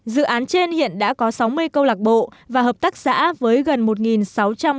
dự án trên hiện đã có sáu mươi câu lọc bộ và hợp tác xã với gần một người